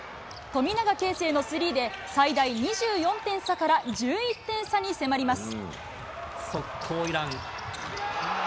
富永けんせいのスリーで、最大２４点差から１１点差に迫ります。